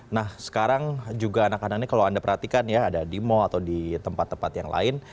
nah sekarang juga anak anak ini kalau anda perhatikan ya ada di mall atau di tempat tempat yang lain